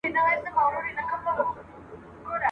خر هغه دی خو کته یې بدله ده ..